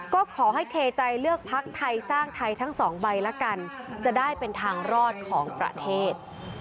ก็ขอให้เทใจเลือกพักไทยสร้างไทยทั้งสองใบละกันจะได้เป็นทางรอดของประเทศ